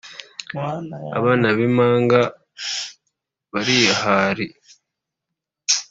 abana bi mpanga barihari